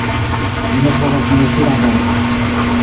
Mi ne povas ne esti ravata.